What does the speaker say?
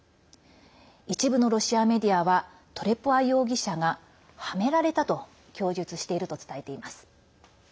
一部のロシアメディアはトレポワ容疑者がはめられたと供述していると伝えています。